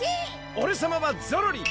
おれさまはゾロリ。